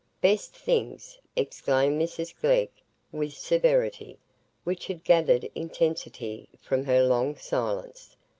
"Best things!" exclaimed Mrs Glegg, with severity, which had gathered intensity from her long silence.